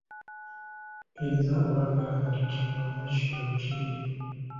Kkiriza oba gaana kino bwe kityo bwe kiri.